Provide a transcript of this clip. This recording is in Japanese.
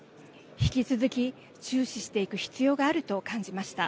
引き続き注視していく必要があると感じました。